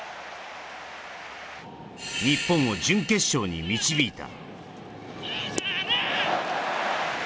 日本を準決勝に導いた。